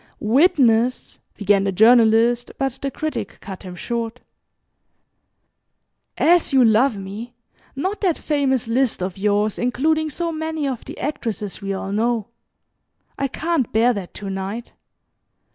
"Witness " began the Journalist, but the Critic cut him short. "As you love me not that famous list of yours including so many of the actresses we all know. I can't bear THAT to night.